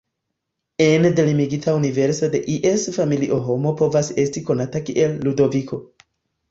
Ene de limigita universo de ies familio homo povas esti konata kiel "Ludoviko".